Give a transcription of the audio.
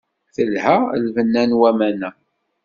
Telha lbenna n waman-a.